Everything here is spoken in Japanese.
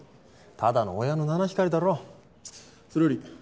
ただの親の七光りだろ？それより。